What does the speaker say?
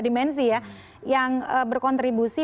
dimensi ya yang berkontribusi